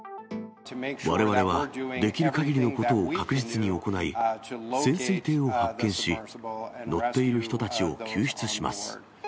われわれはできるかぎりのことを確実に行い、潜水艇を発見し、乗っている人たちを救出します。